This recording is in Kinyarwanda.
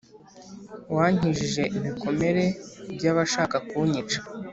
wankijije ibikomere by’abashaka kunyica,